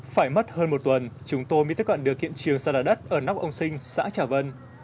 phải mất hơn một tuần chúng tôi mới tiếp cận được hiện trường xa lở đất ở nóc ông sinh xã trà vân